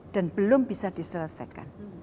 dan belum bisa diselesaikan